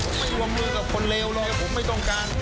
ผมไม่รวมมือกับคนเลวเลยผมไม่ต้องการ